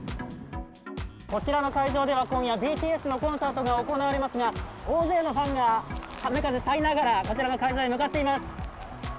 こちらの会場では今夜、ＢＴＳのコンサートが行われますが大勢のファンが雨・風、耐えながら向かっています。